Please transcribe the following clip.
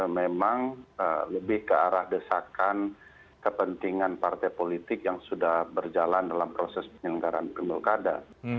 memang lebih ke arah desakan kepentingan partai politik yang sudah berjalan dalam proses penyelenggaraan pemilu kada